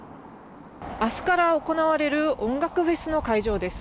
明日から行われる音楽フェスの会場です。